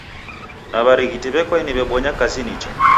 Na w'arighiti w'ekwaeni w'ebonya kazi nicha?